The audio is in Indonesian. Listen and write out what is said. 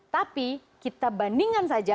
tapi kita bandingkan saja